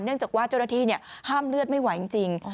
จากว่าเจ้าหน้าที่ห้ามเลือดไม่ไหวจริง